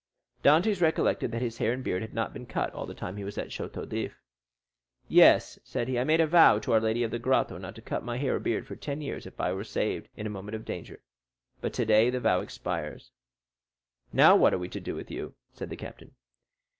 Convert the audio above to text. Dantès recollected that his hair and beard had not been cut all the time he was at the Château d'If. "Yes," said he, "I made a vow, to our Lady of the Grotto not to cut my hair or beard for ten years if I were saved in a moment of danger; but today the vow expires." "Now what are we to do with you?" said the captain.